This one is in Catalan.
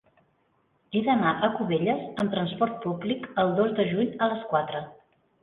He d'anar a Cubelles amb trasport públic el dos de juny a les quatre.